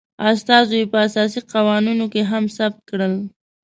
استازو یي په اساسي قوانینو کې هم ثبت کړ